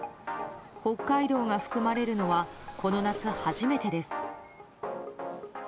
北海道が含まれるのはこの夏初めてです。